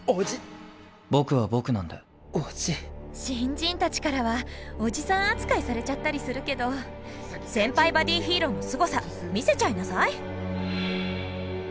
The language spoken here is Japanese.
新人たちからはおじさん扱いされちゃったりするけど先輩バディヒーローのすごさ見せちゃいなさい！